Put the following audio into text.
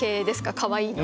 かわいいの。